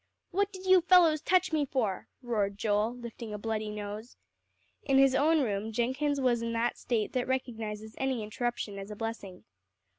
"What did you fellows touch me for?" roared Joel, lifting a bloody nose. In his own room, Jenkins was in that state that recognizes any interruption as a blessing.